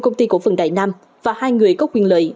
công ty cổ phần đại nam và hai người có quyền lợi